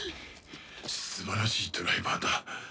素晴らしいドライバーだ。